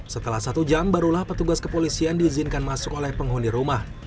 setelah satu jam barulah petugas kepolisian diizinkan masuk oleh penghuni rumah